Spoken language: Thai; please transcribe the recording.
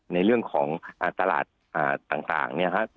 ในเรื่องของตลาดต่างเนี่ยครับ